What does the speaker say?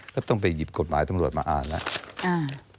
ก็ต้องไปหยิบกฎหมายตำรวจมาอ่านแล้ว